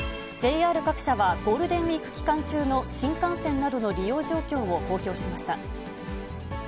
ＪＲ各社は、ゴールデンウィーク期間中の新幹線などの利用状況を公表しました。